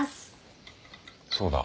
そうだ。